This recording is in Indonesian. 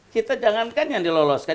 kita jangankan yang diloloskan